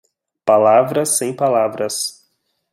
Palavras sem palavras